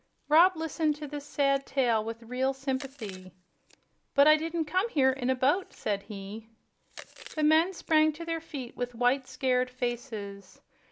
Rob listened to this sad tale with real sympathy. "But I didn't come here in a boat," said he. The men sprang to their feet with white, scared faces.